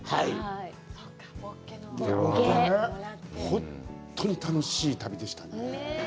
本当に楽しい旅でしたね。